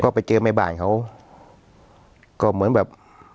ก็ไปเจอแม่บ้านเขาก็เหมือนแบบ